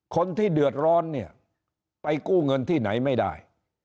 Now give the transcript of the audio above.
คนที่เดือดร้อนเนี่ยไปกู้เงินที่ไหนไม่ได้